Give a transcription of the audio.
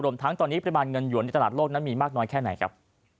ทั้งตอนนี้ปริมาณเงินหวนในตลาดโลกนั้นมีมากน้อยแค่ไหนครับ